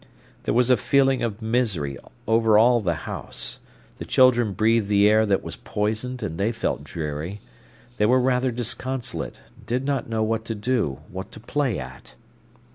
There was a feeling of misery over all the house. The children breathed the air that was poisoned, and they felt dreary. They were rather disconsolate, did not know what to do, what to play at.